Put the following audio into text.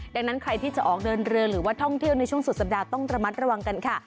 ดังนั้นใครที่จะออกเดินเรือหรือว่าท่องเที่ยวในช่วงสุดสัปดาห์ต้องระมัดระวังกันค่ะ